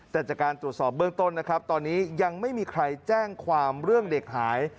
แต่จากการตรวจสอบเบื้องต้นนะครับตอนนี้ยังไม่มีใครแจ้งความเรื่องเด็กหาย